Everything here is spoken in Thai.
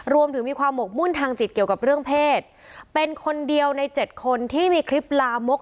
รวมถึงมีความหมกมุ่นทางจิตเกี่ยวกับเรื่องเพศเป็นคนเดียวในเจ็ดคนที่มีคลิปลามก